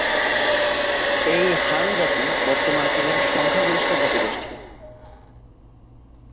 এই হান জাতি বর্তমান চীনের সংখ্যাগরিষ্ঠ জাতিগোষ্ঠী।